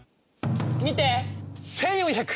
見て！